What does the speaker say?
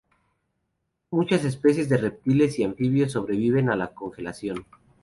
Muchas especies de reptiles y anfibios sobreviven a la congelación.